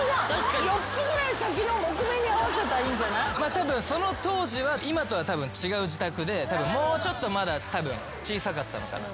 たぶんその当時は今とは違う自宅でもうちょっとまだたぶん小さかったのかな。